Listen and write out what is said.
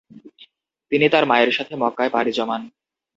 তিনি তাঁর মায়ের সাথে মক্কায় পাড়ি জমান ।